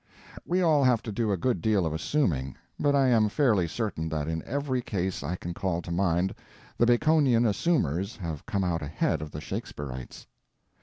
We all have to do a good deal of assuming, but I am fairly certain that in every case I can call to mind the Baconian assumers have come out ahead of the Shakespearites.